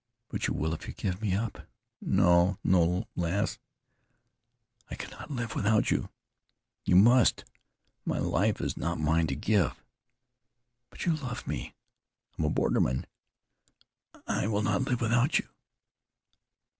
"But you will if you give me up." "No, no, lass." "I cannot live without you." "You must. My life is not mine to give." "But you love me." "I am a borderman." "I will not live without you."